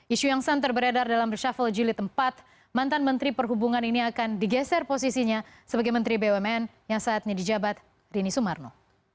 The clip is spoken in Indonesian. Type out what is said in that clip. isu yang santar beredar dalam reshuffle juli empat mantan menteri perhubungan ini akan digeser posisinya sebagai menteri bumn yang saatnya di jabat rini sumarno